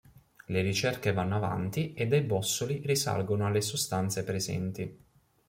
Le ricerche vanno avanti e dai bossoli risalgono alle sostanze presenti.